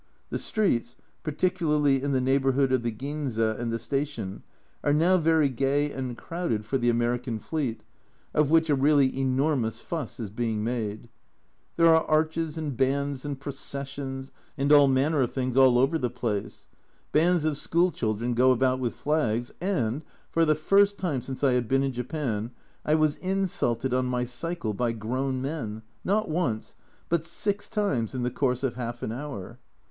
The streets, particularly in the neighbourhood of the Ginza and the station, are now very gay and crowded for the. (c 128) Q 226 A Journal from Japan American Fleet, of which a really enormous fuss is being made. There are arches, and bands, and processions, and all manner of things all over the place. Bands of school children go about with flags, and for the first time since I have been in Japan I was insulted on my cycle by grown men, not once, but six times in the course of half an hour!